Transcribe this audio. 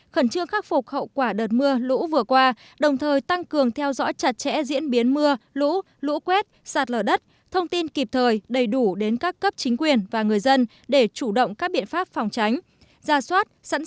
khẩn trương khắc phục hậu quả đợt mưa lũ vừa qua đồng thời tăng cường theo dõi chặt chẽ diễn biến mưa lũ lũ quét sạt lở đất thông tin kịp thời đầy đủ đến các cấp chính quyền và người dân để chủ động các biện pháp phòng tránh